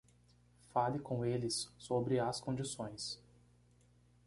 Fale com eles sobre as condições